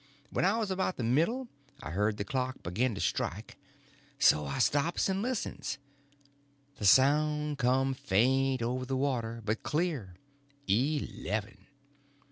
When I was about the middle I heard the clock begin to strike, so I stops and listens; the sound come faint over the water but clear—eleven.